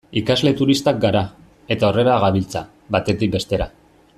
Ikusle turistak gara, eta horrela gabiltza, batetik bestera.